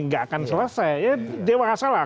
gak akan selesai ya dia merasa lah